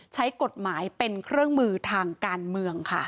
ใช้กฎหมายเป็นเครื่องมือทางการเมืองค่ะ